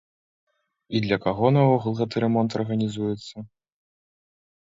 І для каго наогул гэты рамонт арганізуецца?